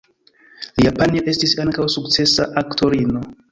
Lia panjo estis ankaŭ sukcesa aktorino.